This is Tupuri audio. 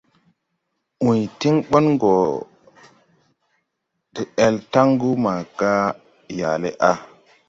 ‘ũy tiŋ ɓɔŋ gɔ de-al taŋgu maaga yaale a.